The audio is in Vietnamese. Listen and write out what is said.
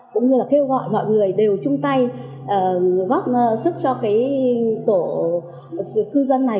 cũng như là kêu gọi mọi người đều chung tay góp sức cho cái tổ cư dân này